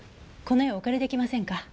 この絵をお借り出来ませんか？